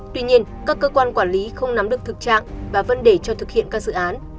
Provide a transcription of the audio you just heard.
tuy nhiên các cơ quan quản lý không nắm được thực trạng và vẫn để cho thực hiện các dự án